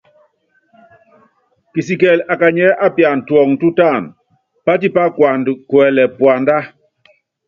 Kisikilɛ akanyiɛ́ apiana tuɔŋɔ tútánu, pátípá kuanda kuɛlɛ puandá.